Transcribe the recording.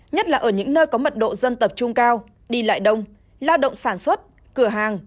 nhất là ở những nơi có mật độ dân tập trung cao đi lại đông lao động sản xuất cửa hàng